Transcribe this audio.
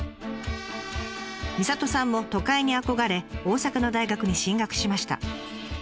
みさとさんも都会に憧れ大阪の大学に進学しました。